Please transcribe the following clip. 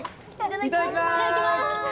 いただきます！